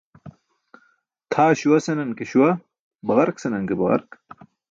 Tʰaa śuwa senan ke śuwa, baġark senan ke baġark.